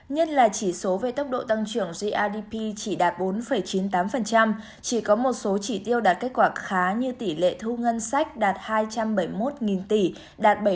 nhất là chỉ số về tốc độ tăng trưởng grdp chỉ đạt bốn chín mươi tám chỉ có một số chỉ tiêu đạt kết quả khá như tỷ lệ thu ngân sách đạt hai trăm bảy mươi một tỷ đạt bảy